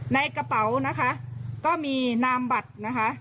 ในกระเป๋านะคะก็มีนามบัตรนะคะ